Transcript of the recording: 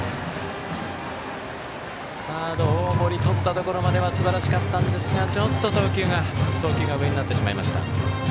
サード、大森とったところまではすばらしかったんですが送球が上になってしまいました。